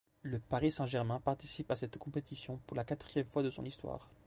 Le Paris Saint-Germain participe à cette compétition pour la quatrième fois de son histoire.